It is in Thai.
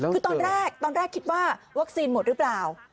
คือตอนแรกตอนแรกคิดว่าวัคซีนหมดหรือเปล่า